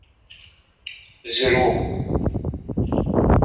Zrew.